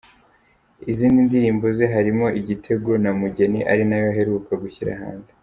Izindi ndirimbo ze harimo Igitego na Mugeni ari nayo aheruka gushyira hanze.